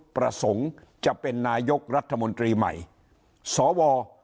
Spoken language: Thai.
ประสงค์จะเป็นนายกรัฐมนตรีใหม่สว